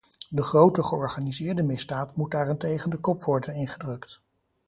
De grote georganiseerde misdaad moet daarentegen de kop worden ingedrukt.